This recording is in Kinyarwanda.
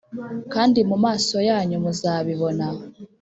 kandi mu maso yanyu muzabibona